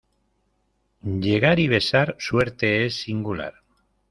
Llegar y besar, suerte es singular.